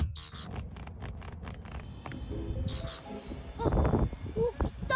あっおきた！